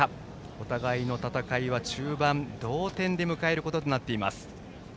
お互いの戦いは中盤、同点で迎えることとなっています。